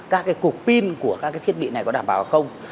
các cục pin của các thiết bị này có đảm bảo hay không